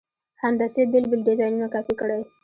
هندسي بېل بېل ډیزاینونه کاپي کړئ.